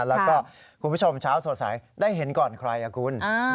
แล้วก็คุณผู้ชมเช้าสดใสได้เห็นก่อนใครคุณ